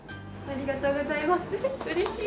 ありがとうございます。